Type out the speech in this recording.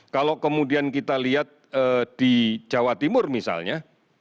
kalau kemudian kita lihat di jawa timur misalnya